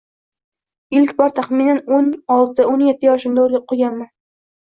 Ilk bor taxminan o‘n olti-o‘n yetti yoshimda o‘qiganman.